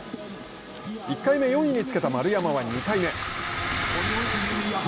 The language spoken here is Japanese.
１回目４位につけた丸山は２回目。